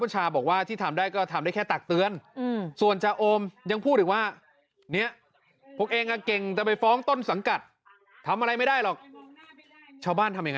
ชาวบ้านทำยังไงล่ะ